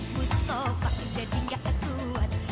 mustafa jadi gak kekuat